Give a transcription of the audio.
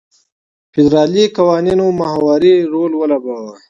فدرالي قوانینو محوري رول ولوباوه.